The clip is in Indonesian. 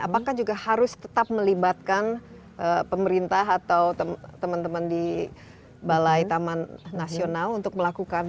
apakah juga harus tetap melibatkan pemerintah atau teman teman di balai taman nasional untuk melakukan